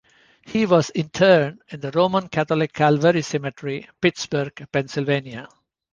He was interred in the Roman Catholic Calvary Cemetery, Pittsburgh, Pennsylvania.